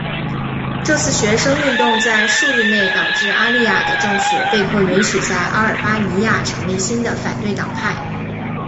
这次学生运动在数日内导致阿利雅的政府被迫允许在阿尔巴尼亚成立新的反对党派。